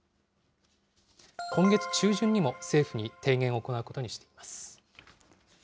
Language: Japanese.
今月中旬にも政府に提言を行うことにしています。